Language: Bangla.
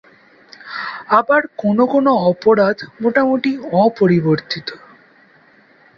আবার কোনো কোন অপরাধ মোটামুটি অপরিবর্তিত।